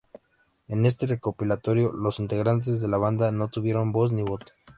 En este recopilatorio los integrantes de la banda no tuvieron voz ni voto.